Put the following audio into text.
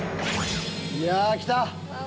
いや来た！